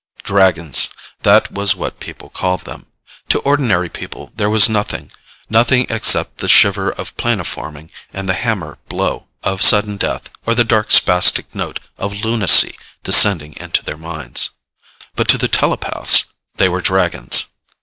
Dragons. That was what people called them. To ordinary people, there was nothing, nothing except the shiver of planoforming and the hammer blow of sudden death or the dark spastic note of lunacy descending into their minds. But to the telepaths, they were Dragons.